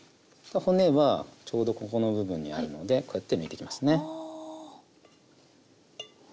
骨はちょうどここの部分にあるのでこうやって抜いていきますね。